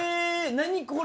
何これ！？